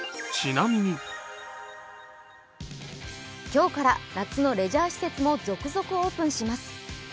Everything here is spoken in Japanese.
今日から夏のレジャー施設も続々オープンします。